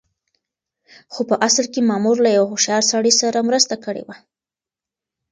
خو په اصل کې مامور له يوه هوښيار سړي سره مرسته کړې وه.